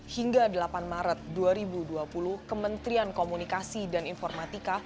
hingga delapan maret dua ribu dua puluh kementerian komunikasi dan informatika